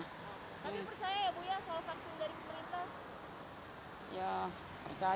kami percaya ya bu ya soal vaksin dari pemerintah